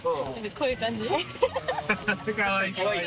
こういう感じ。